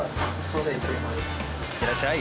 いってらっしゃい！